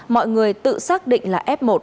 mọi người tự xác định là f một